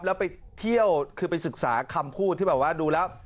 แล้วไปเที่ยวคือไปศึกษาคำพูดที่แบบว่าดูแล้ว